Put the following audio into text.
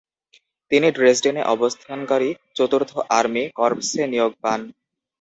তিনি ড্রেসডেনে অবস্থানকারী চতুর্থ আর্মি কর্পসে নিয়োগ পান।